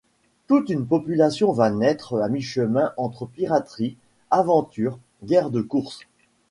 Toute une population va naître à mi-chemin entre piraterie, aventure, guerre de course.